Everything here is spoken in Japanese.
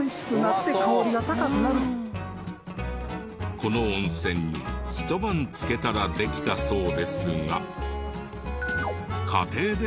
この温泉にひと晩漬けたらできたそうですが。